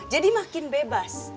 jadi makin bebas